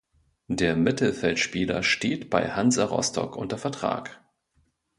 Der Mittelfeldspieler steht bei Hansa Rostock unter Vertrag.